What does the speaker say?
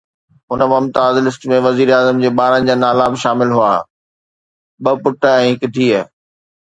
هن ”ممتاز لسٽ“ ۾ وزيراعظم جي ٻارن جا نالا به شامل هئا: ٻه پٽ ۽ هڪ ڌيءَ.